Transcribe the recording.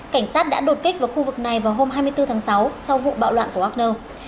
cảnh sát đã đột kích vào khu vực này vào hôm hai mươi bốn tháng sáu sau vụ bạo loạn của wagner